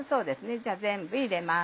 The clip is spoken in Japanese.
じゃあ全部入れます。